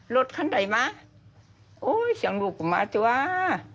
รถข้างใดมาโอ๊ยเสียงลูกกูมาจังหว่า